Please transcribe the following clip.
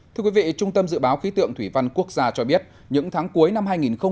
trung tâm dự báo khí tượng thủy văn quốc gia cho biết những tháng cuối năm hai nghìn một mươi chín